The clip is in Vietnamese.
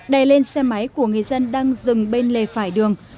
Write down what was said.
đè lên xe máy của người dân đang dừng bên lề phải đường